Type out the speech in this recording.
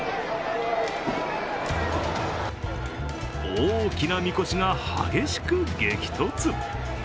大きなみこしが激しく激突。